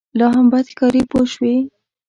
لا هم بد ښکاري پوه شوې!.